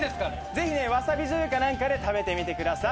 ぜひねわさびじょうゆか何かで食べてみてください。